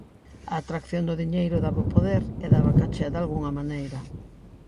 A atracción do diñeiro daba poder e daba caché dalgunha maneira.